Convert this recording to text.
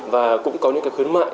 và cũng có những cái khuyến mại